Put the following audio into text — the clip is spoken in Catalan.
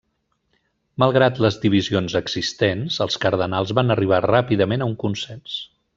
Malgrat les divisions existents, els cardenals van arribar ràpidament a un consens.